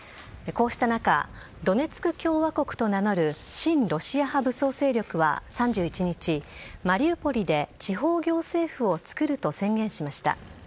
こうした中ドネツク共和国と名乗る親ロシア派武装勢力は３１日マリウポリで地方行政府をつくると宣言しました。